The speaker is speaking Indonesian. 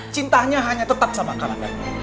cintanya hanya tetap sama kaman danu